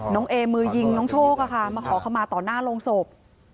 น้องเอมือยิงน้องโชคอะค่ะมาขอขมาต่อหน้าโรงศพ